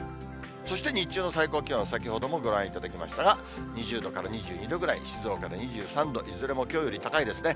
そして日中の最高気温、先ほどもご覧いただきましたが、２０度から２２度ぐらい、静岡で２３度、いずれもきょうより高いですね。